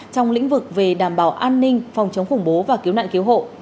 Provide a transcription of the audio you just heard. trong lĩnh vực về đảm bảo an ninh phòng chống khủng bố và cứu nạn cứu hộ